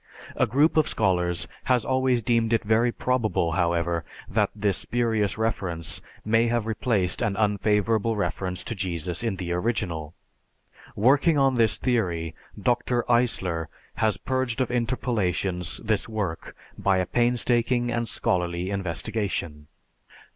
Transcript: A group of scholars has always deemed it very probable, however, that this spurious reference may have replaced an unfavorable reference to Jesus in the original. Working on this theory, Dr. Eisler has purged of interpolations this work by a painstaking and scholarly investigation.